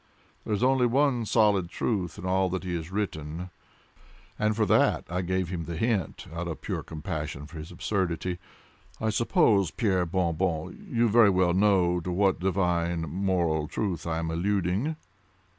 There is only one solid truth in all that he has written, and for that I gave him the hint out of pure compassion for his absurdity. I suppose, Pierre Bon Bon, you very well know to what divine moral truth I am alluding?"